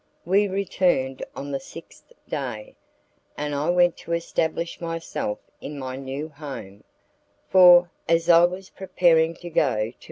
We returned on the sixth day, and I went to establish myself in my new home, for, as I was preparing to go to M.